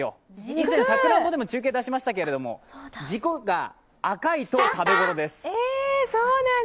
以前、さくらんぼでも中継いたしましたけれども、軸が赤いと食べ頃です。